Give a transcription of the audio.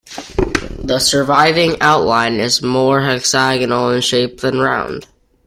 The surviving outline is more hexagonal in shape than round.